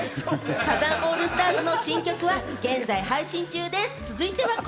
サザンオールスターズの新曲は現在配信中です。